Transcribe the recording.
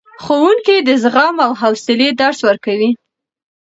ښوونکي د زغم او حوصلې درس ورکوي.